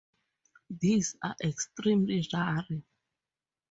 These are extremely rare.